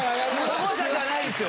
保護者じゃないんですよ